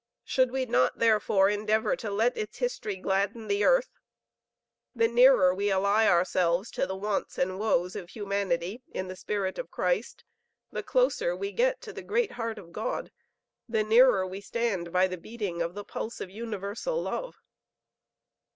Should we not, therefore, endeavor to let its history gladden the earth? The nearer we ally ourselves to the wants and woes of humanity in the spirit of Christ, the closer we get to the great heart of God; the nearer we stand by the beating of the pulse of universal love."